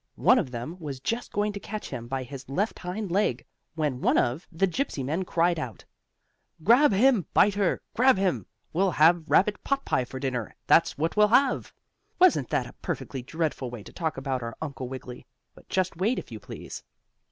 One of them was just going to catch him by his left hind leg, when one of the Gypsy men cried out: "Grab him, Biter! Grab him! We'll have rabbit potpie for dinner; that's what we'll have!" Wasn't that a perfectly dreadful way to talk about our Uncle Wiggily? But just wait, if you please.